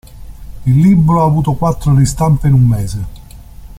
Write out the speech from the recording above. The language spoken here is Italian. Il libro ha avuto quattro ristampe in un mese.